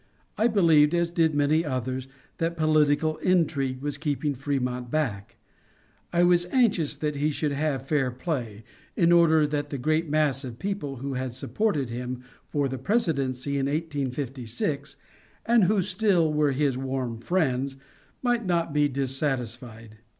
I believed, as did many others, that political intrigue was keeping Frémont back. I was anxious that he should have fair play, in order that the great mass of people who had supported him for the presidency in 1856, and who still were his warm friends, might not be dissatisfied.